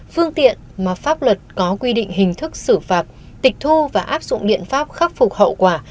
phương tiện mà pháp luật có quy định hình thức xử phạt tịch thu và áp dụng biện pháp khắc phục hậu quả